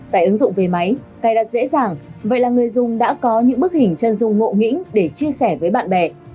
tại ứng dụng về máy cài đặt dễ dàng vậy là người dùng đã có những bức hình chân dung ngộ nghĩnh để chia sẻ với bạn bè